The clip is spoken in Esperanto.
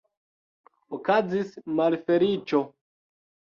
Okazis malfeliĉo!